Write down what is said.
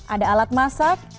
ada alat masak